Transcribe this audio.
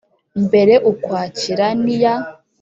Mbere ukwakira n iya